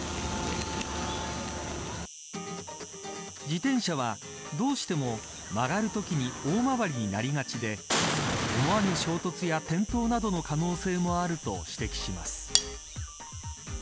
自転車は、どうしても曲がるときに大回りになりがちで思わぬ衝突や転倒などの可能性もあると指摘します。